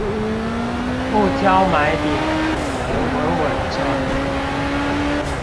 不挑買點也能穩穩賺